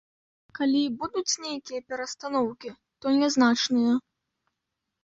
Калі і будуць нейкія перастаноўкі, то нязначныя.